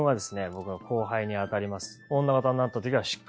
僕の後輩にあたります。